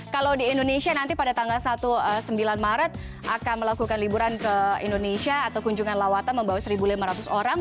kalau di indonesia nanti pada tanggal satu sembilan maret akan melakukan liburan ke indonesia atau kunjungan lawatan membawa satu lima ratus orang